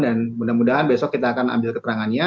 dan mudah mudahan besok kita akan ambil keterangannya